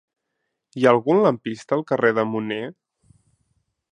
Hi ha algun lampista al carrer de Munné?